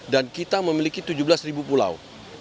dan kita memiliki tujuh belas pulau